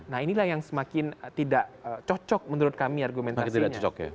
nah inilah yang semakin tidak cocok menurut kami argumentasinya